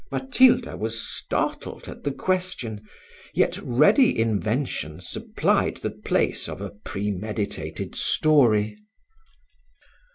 Matilda was startled at the question, yet ready invention supplied the place of a premeditated story.